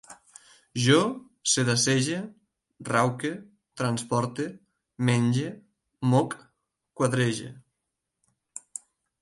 Jo sedassege, rauque, transporte, menge, moc, quadrege